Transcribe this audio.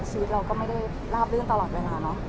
ชีวิตเราก็ไม่ได้ลาบลื่นตลอดเวลาเนอะ